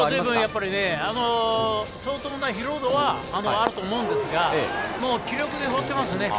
相当な疲労度はあると思いますが気力で放ってますね。